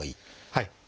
はい。